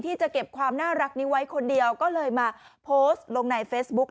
ที่จะเก็บความน่ารักนี้ไว้คนเดียวก็เลยมาโพสต์ลงในเฟซบุ๊ก